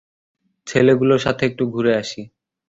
ছেলেগুলোর সাথে একটু ঘুরে আসি।